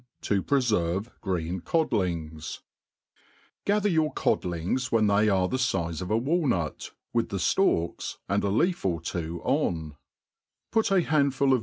To, puftrve Green CodHngSm GATHER your codlings when they are the fize of a wal nut, with the ftalks, 9x4 a )eaf or two on % put a handful of • vine *